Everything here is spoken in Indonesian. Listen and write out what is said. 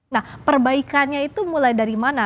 nah perbaikannya itu mulai dari mana